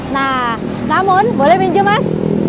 nah namun boleh pinju mas